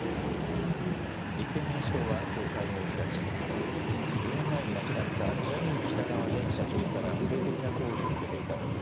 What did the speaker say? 立憲民主党はきょう会合を開き４年前に亡くなったジャニー喜多川前社長から性的な行為を受けていたという